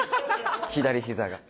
左膝が。